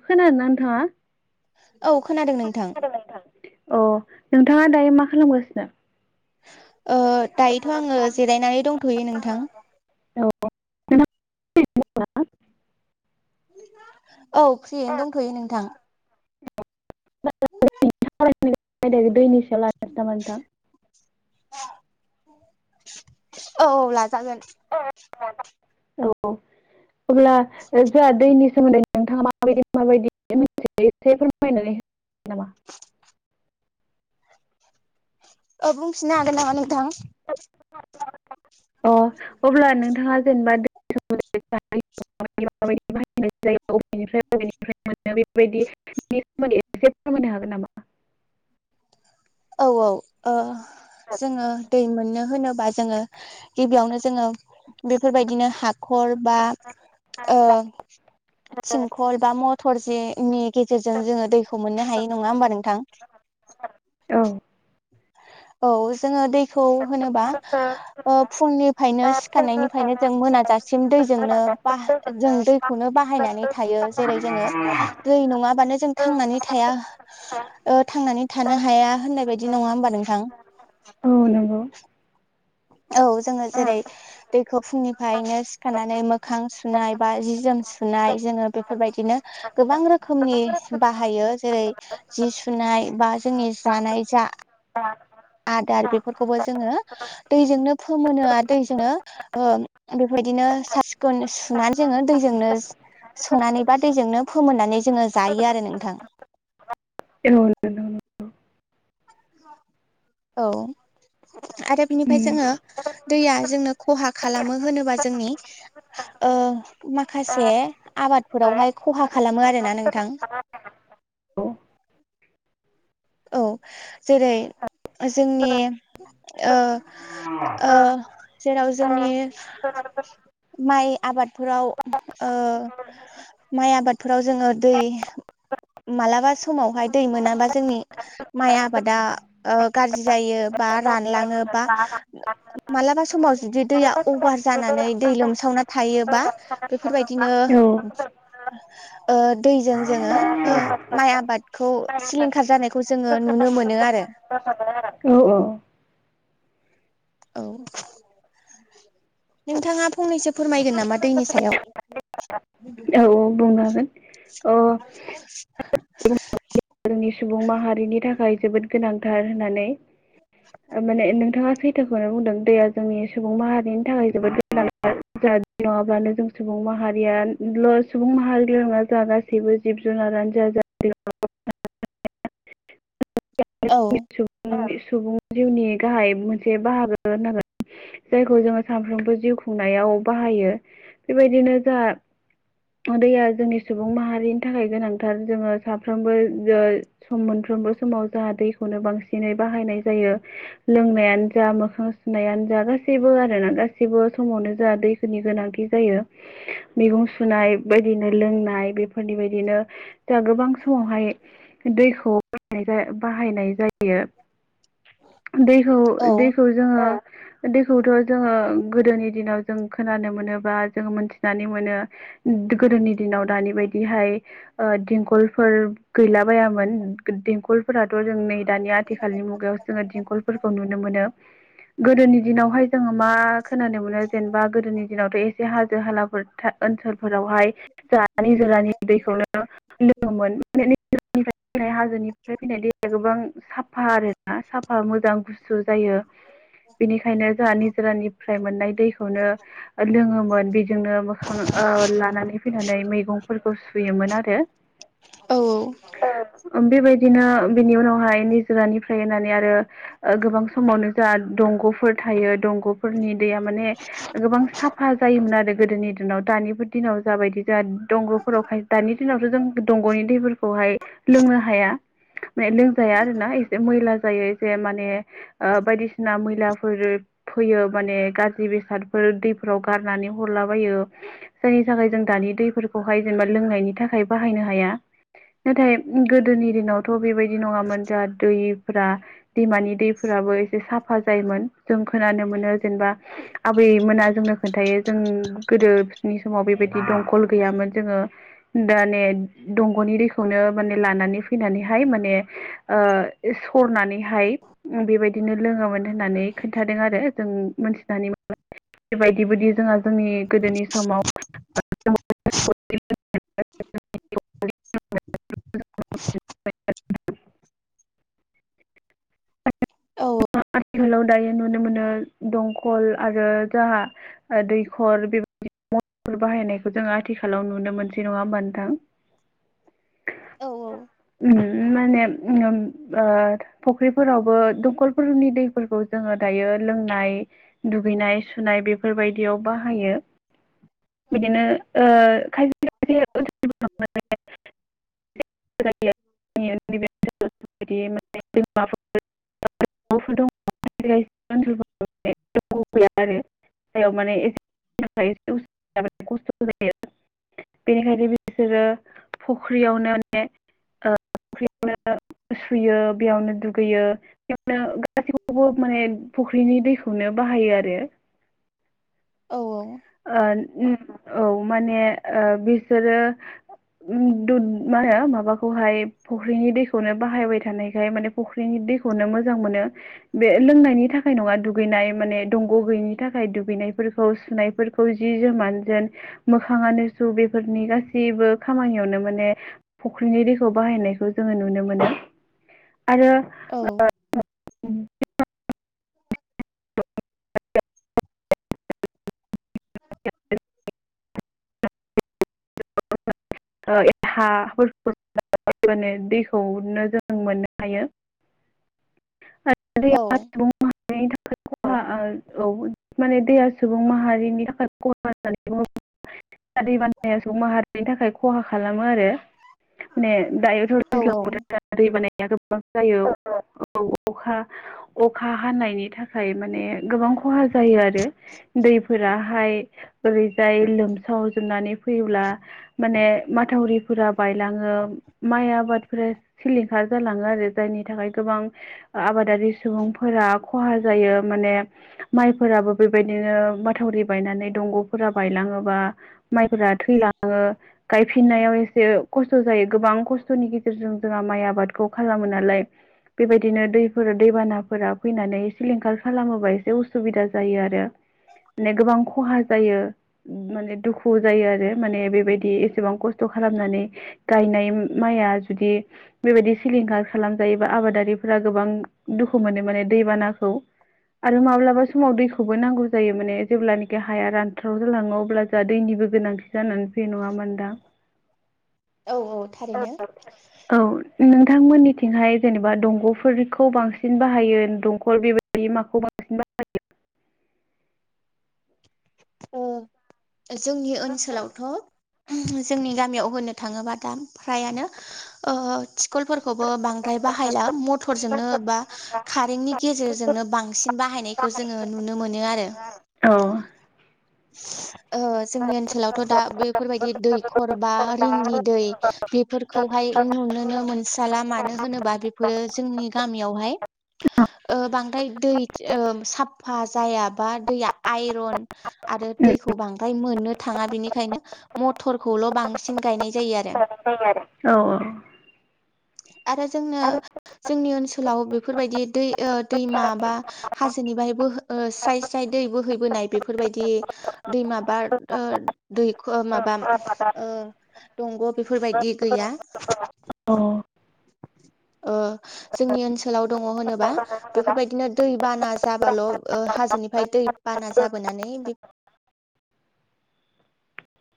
खोनादों ना नोंथाङा? औ खोनादों नोंथां। अ नोंथाङा दायो मा खालामगासिनो? ओ दायोथ' आङो जिरायनानै दंथ'यो नोंथां [unintelligible] औ फ्रियैनो दंथ'यो नोंथां [unintelligible] औ औ लाजागोन [unintelligible] औ अब्ला जोंहा दैनि सोमोन्दै नोंथाङा माबायदि माबायदि मोनसे एसे फोरमायनानै [unintelligible] नामा औ बुंफिननो हागोन नामा नोंथां? अ अब्ला नोंथाङा जेनेबा [unintelligible] [unintelligible] बेफोरबायदि [unintelligible] सोमोन्दै एसे फोरनो हागोन नामा औ औ ओ जोङो दै मोननो होनोबा जोङो गिबियावनो जोङो बेफोरबायदिनो हाखर बा ओ थिंखल बा मथर जेनि गेजेरजों जोङो दैखौ मोननो हायो नङा होमबा नोंथां? औ औ जोङो दैखौ होनोबा ओ फुंनिफायनो सिखारनायनिफ्रायनो जों मोनाजासिम दैजोंनो बा जों दैखौनो बाहायनानै थायो जेरै जोङो दै नङाबानो जों थांनानै थाया ओ थांनानै थानो हाया होननाय बायदि नङा होमबा नोंथां? औ नंगौ औ जोङो जेरै दैखौ फुंनिफायनो सिखारनानै मोखां सुनाय बा जि जोम सुनाय जोङो बेफोरबायदिनो गोबां रोखोमनि बाहायो जेरै जि सुनाय बा जोंनि जानाय जा आदार बेफोरखौबो जोङो दैजोंनो फोमोनो आरो दैजोंनो ओ बेबायदिनो सा सिखोन सुनानै जोङो दैजोंनो संनानै बा दैजोंनो फोमोननानै जोङो जायो आरो नोंथां औ [unintelligible] औ आरो बिनिफाय उम जोङो दैया जोंनो खहा खालामो होनोबा जोंनि ओ माखासे आबादफोरावहाय खहा खालामो आरोना नोंथां औ [inaudible] औ जेरै जोंनि जेराव जोंनि माइ आबादफोराव माइ आबादफोराव जोङो दै मालाबा समावहाय दै मोनाबा जोंनि माइ आबादा गाज्रि जायो बा रानलाङो बा मालाबा समाव जुदि दैया अभार जानानै दै लोमसावना थायोबा बेफोरबायदिनो औ दैजों जोङो माइ आबादखौ सिलिंखार जानायखौ खौ जोङो नुनो मोनो आरो [inaudible] [unintelligible] औ नोंथाङा फंनैसो फोरमायगोन नामा दैनि सायाव [unintelligible] जोंनि सुबुं माहारिनि थाखाय जोबोद गोनांथार होननानै माने नोंथाङा सैथोखौनो बुंदों दैया जोंनि सुबुं माहारिनि थाखाय जोबोद [unintelligible] नङाब्लानो जों सुबुं माहारियाल' सुबुं माहारिल' नङा [unintelligible] गासैबो जिब जुनारानो [unintelligible] औ सुबुं जिउनि गाहाय मोनसे बाहागो होननांगोन जायखौ जोङो सानफ्रोमबो जिउ खुंनायाव बाहायो बेबायदिनो जा दैया जोंनि सुबुं माहारिनि थाखाय गोनांथार जोङो साफ्रोमबो सम मोनफ्रोमबो समाव जोंहा दैखौनो बांसिनै बाहायनाय जायो लोंनायानो जा मोखां सुनायानो जा गासैबो आरोना गासैबो समावनो जा दै नि गोनांथि जायो मैगं सुनाय बायदिनो लोंनाय बेफोरनि बायदिनो दा गोबां समावहाय दैखौ बाहायनाय [unintelligible] दैखौ औ -दैखौ जोङो दैखौथ' जोङो गोदोनि दिनाव जों खोनानो मोनोबा जों मोनथिनानै मोनो गोदोनि दिनाव दानि बायदिहाय ओ दिंखलफोर गैला बायामोन दिंखलफोराथ' जों नै दानि आथिखालनि मुगायाव जोङो दिंखलफोरखौ नुनो मोनो गोदोनि दिनावहाय जोङो मा खोनानो मोनो जेनेबा गोदोनि दिनावथ' एसे हाजो हालाफोर था ओनसोलफोरावहाय [unintelligible] दैखौनो लोङोमोन [unintelligible] फैनाय हाजोनिफ्राय फैनाय दैया गोबां साफा आरोना साफा मोजां गुसु जायो बिनिखायनो जोंहा निजोरानिफ्राय मोननाय दैखौनो लोङोमोन बेजोंनो ओ लानानै फैनानै मैगंफोरखौ सुयोमोन आरो औ बेबायदिनो बेनि उनावहाय निजोरानिफ्राय होनानै आरो गोबां समावनो जोंआ दंग'फोर थायो दंग'फोरनि दैया माने गोबां साफा जायोमोन आरो गोदोनि दिनाव दानिबो दिनाव जाबायदि जोंहा दंग'फोरावहाय दानि दिनावथ' जों दंग'नि दैफोरखौहाय लोंनो हाया माने लोंजाया आरो ना एसे मैला जायो जे माने ओ बायदिसिना मैलाफोर फैयो माने गाज्रि बेसादफोर दैफोराव गारनानै हरलाबायो जोनि थाखाय जों दानि दैफोरखौहाय जेनेबा लोंनायनि थाखाय बाहायनो हाया नाथाय गोदोनि दिनावथ' बेबायदि नङामोन जोंहा दैफ्रा दैमानि दैफोराबो एसे साफा जायोमोन जों खोनानो मोनो जेनेबा आबैमोना जोंनो खोन्थायो जों गोदोनि समाव बेबायदि दंखल गैयामोन जोङो दाने दंग'नि दैखौनो माने लानानै फैनानैहाय माने ओ सरनानैहाय बेबायदिनो लोङोमोन होननानै खोन्थादों आरो जों मोनथिनानै बेबायदि बायदि जोंहा जोंनि गोदोनि समाव औ आथिखालाव दायो नुनो मोनो दंखल आरो जोहा दैखर बेबायदि म बाहायनायखौ जोङो आथिखालाव नुनो मोनसै नङा होमबानो थां औ उम माने उम ओ फु फोरावबो दंखलफोरनि दैफोरखौ जोङो दायो लोंनाय दुगैनाय सुनाय बेफोरबायदियाव बाहायो बिदिनो ओ खायसे- खायसे [unintelligible] बिदि [unintelligible] बा [unintelligible] फोर दङ [unintelligible] गैया आरो जायाव माने एसे खस्थ' जायो बेनिखायनो बिसोरो फख्रियावनो मने ओ फख्रियावनो सुयो बेयावनो दुगैयो नो गासैयावबो माने फुख्रिनि दैखौनो बाहायो आरो औ -औ औ माने बिसोरो मा होनो माबाखौहाय फुख्रिनि दैखौनो बाहायबाय थानायखाय माने फुख्रिनि दैखौनो मोजां मोनो बे लोंनायनि थाखाय नङा दुगैनाय माने दंग' गैयिनि थाखाय दुगैनायफोरखौ सुनाय फोरफोरखौ जि जोमान जोन मोखांनो सु बेफोरनि गासैबो खामानियावनो माने फुख्रिनि दैखौ बाहायनायखौ जोङो नुनो मोनो आरो औ उ [inaudible] [inaudible] ा [unintelligible] दैखौनो जों मोननो हायो आरो [unintelligible] मनि थाखाय खहा औ माने दैहा सुबुं माहारिनि थाखाय खहा दै बानाया ज माहारिनि थाखाय खहा खालामो आरो मान औ दायो दै बानाया गोबां जायो औ अखा अखा हानायनि थाखाय माने गोबां खहा जायो आरो दैफोराहाय ओरैजाय लोमसावजोबनानै फैयोब्ला माने माथावरिफोरा बायलाङो माइ आबादफोरा सिलिंखार जालाङो आरो जायनि थाखाय गोबां आबादारि सुबुंफोरा खहा जायो माने माइफोराबो बेबायदिनो माथावरि बायनानै दंग'फोरा बायलाङोबा माइफोरा थैलाङो गायफिननायाव एसे खस्थ' जायो गोबां खस्थ'नि गेजेरजों जोंहा माइ आबादखौ खालामो नालाय बेबायदिनो दैफोर दैबानाफोरा फैनानै सिलिंखार खालामोबा एसे उसुबिदा जायो आरो म गोबां खहा जायो माने दुखु जायो आरो माने बेबायदि एसेबां खस्थ' खालामनानै गायनाय माइया जुदि बेबायदि सिलिंखार खालामजायोबा आबादारिफोरा गोबां दुखु मोनो माने दैबानाखौ आरो माब्लाबा समाव दैखौबो नांगौ जायो माने जेब्लानाखि हाया रानथाराव जालाङो अब्ला जोंहा दैनिबो गोनांथि जानानै बे नुङा मोनदा औ औ थारैनो औ नोंथांमोननिथिंहाय जेनेबा दंग'फोरखौ बांसिन बाहायो दंखल बेबायदि माखौ बांसि अ जोंनि ओनसोलावथ' जोंनि गामियाव होननो थाङोबा दा फ्रायानो ओ थिखल फोरखौबो बांद्राय बाहायला मथरजोंनो बा कारेन्टनि गेजेरजोंनो बांसिन बाहायनायखौ जोङो नुनो मोनो आरो। अ [unintelligible] ओ जोंनि ओनसोलावथ' दा बेफोरबायदि दैखर बा रिंनि दै बेफोरखौ हाय नुनो मोन स्राला मानो होनोबा बेफोरो जोंनि गामियाव हाय ओ बांद्राय दै ओ साफा जाया बा दैया आइरन आरो औ दैखौ बांद्राय मोननो थाङा बिनिखायनो मथर खौल' बांसिन गायनाय जायो आरो। [unintelligible] औ औ। आरो जोंनो जोंनि ओनसोलाव बेफोरबायदि दै आ दैमा बा हाजोनि बाय बोहै ओ स्राइ स्राइ दै बोहैैबोनाय बेफोरबायदि दै माबार ओ दैख' माबा ओ दंग' बेफोरबायदि गैया। औ ओ जोंनि ओनसोलाव दङ होनोबा बेफोरबायदिनो दै बाना जाबाल' ओ हाजोनिफ्राय दै बाना जाबोनानै